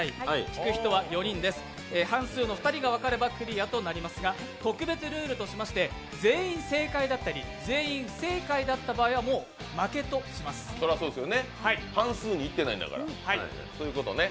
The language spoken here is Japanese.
聞く人は４人です、半数の２人が分かればクリアとなりますが特別ルールとしまして全員正解だったり全員不正解だった場合は半数にいってないんだから、そういうことね。